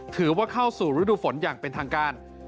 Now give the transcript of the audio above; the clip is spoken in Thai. ถือว่าเข้าสู่ฤดูฝนอย่างเป็นทางการ